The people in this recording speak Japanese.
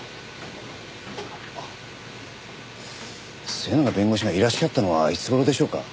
末永弁護士がいらっしゃったのはいつ頃でしょうか？